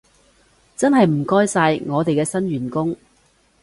真係唔該晒，我哋嘅新員工